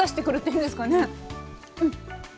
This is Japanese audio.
うん！